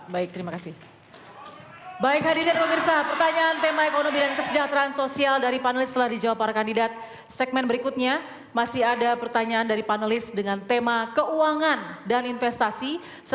bapak baik terima kasih